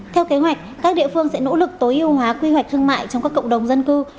theo kế hoạch các địa phương sẽ nỗ lực tối ưu hóa quy hoạch thương mại trong các cộng đồng dân cư